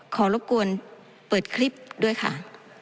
รบกวนเปิดคลิปด้วยค่ะ